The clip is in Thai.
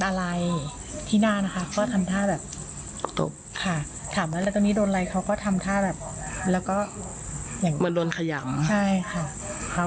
เหมือนโดนขยัมใช่ค่ะ